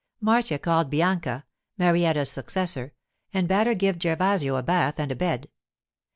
Marcia called Bianca (Marietta's successor) and bade her give Gervasio a bath and a bed.